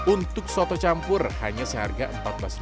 untuk soto campur hanya seharga rp empat belas